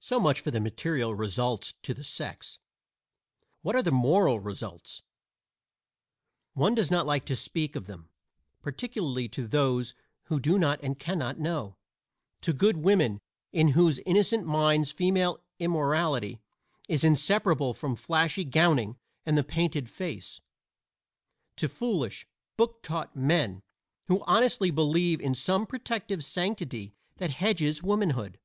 So much for the material results to the sex. What are the moral results? One does not like to speak of them, particularly to those who do not and can not know to good women in whose innocent minds female immorality is inseparable from flashy gowning and the painted face; to foolish, book taught men who honestly believe in some protective sanctity that hedges womanhood.